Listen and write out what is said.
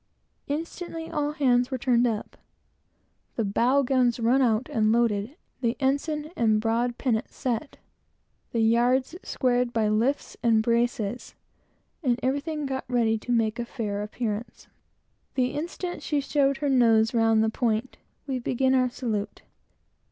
Instantly, all hands were turned up, the bow guns run out and loaded, the ensign and broad pennant set, the yards squared by lifts and braces, and everything got ready to make a good appearance. The instant she showed her nose round the point, we began our salute.